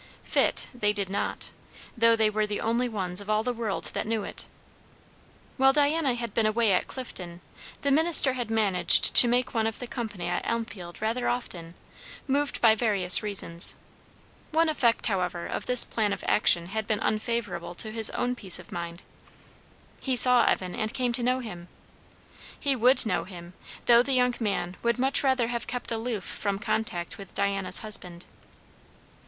Fit they did not, though they were the only ones of all the world that knew it. While Diana had been away at Clifton, the minister had managed to make one of the company at Elmfield rather often, moved by various reasons. One effect, however, of this plan of action had been unfavourable to his own peace of mind. He saw Evan and came to know him; he would know him, though the young man would much rather have kept aloof from contact with Diana's husband.